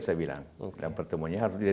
saya bilang yang pertemunya